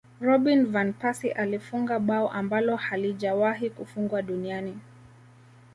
robin van persie alifunga bao ambalo halijawahi Kufungwa duniani